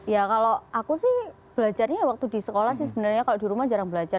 ya kalau aku sih belajarnya waktu di sekolah sih sebenarnya kalau di rumah jarang belajar